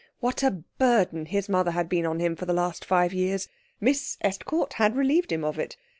What a burden his mother had been on him for the last five years! Miss Estcourt had relieved him of it.